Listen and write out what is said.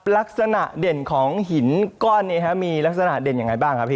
ลักษณะเด่นของหินก้อนนี้มีลักษณะเด่นยังไงบ้างครับพี่